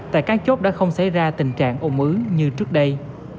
tại các chốt đã không xảy ra tình trạng ô ứ như trước đây